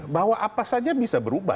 bahwa apa saja bisa berubah